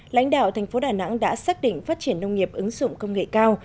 lãnh đạo thành phố đà nẵng đã xác định phát triển nông nghiệp ứng dụng công nghệ cao